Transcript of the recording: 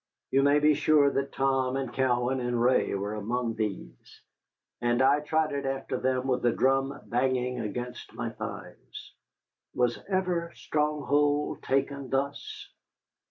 You may be sure that Tom and Cowan and Ray were among these, and I trotted after them with the drum banging against my thighs. Was ever stronghold taken thus?